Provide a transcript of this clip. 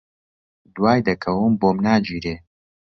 دوای دەکەوم، بۆم ناگیرێ